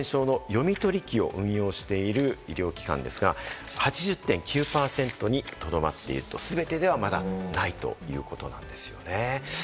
先月、３０日時点でマイナ保険証の読み取り機を運用している医療機関ですが、８０．９％にとどまっている、全てではまだないということなんですね。